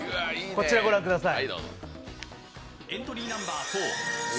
こちらご覧ください。